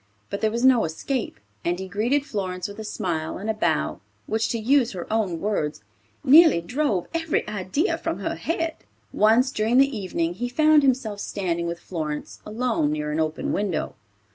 But there was no escape, and he greeted Florence with a smile and a bow, which, to use her own words, "nearly drove every idea from her head." Once during the evening he found himself standing with Florence, alone, near an open window.